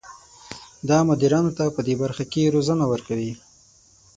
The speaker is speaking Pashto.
دا مدیرانو ته پدې برخه کې روزنه ورکوي.